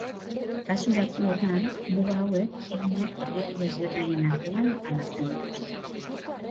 Kasu batzuetan, muga hauek etniak herrialde ezberdinen artean banatzen dituzte.